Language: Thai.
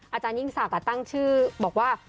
อาจารยิ่งศักดิ์ตั้งชื่อบอกว่า